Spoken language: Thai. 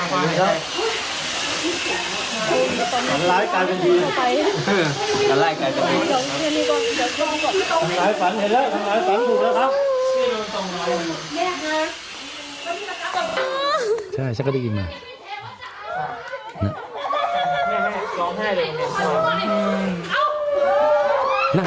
หลายฝันเห็นแล้วหลายฝันเห็นแล้วครับ